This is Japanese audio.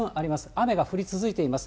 雨が降り続いています。